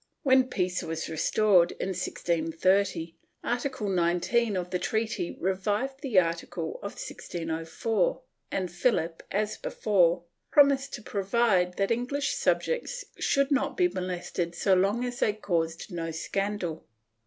2 When peace was restored, in 1630, article 19 of the treaty revived the article of 1604 and Phihp, as before, promised to provide that English subjects should not be molested so long as they caused no scandal.